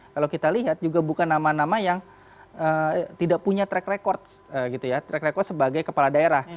kalau kita lihat juga bukan nama nama yang tidak punya track record gitu ya track record sebagai kepala daerah